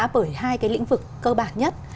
bởi hai cái lĩnh vực cơ bản nhất